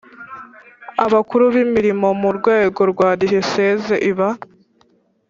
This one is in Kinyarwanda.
Abakuru b imirimo mu rwego rwa Diyosesi iba